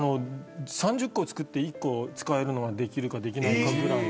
３０個作って１個使えるのができるかできないかぐらい。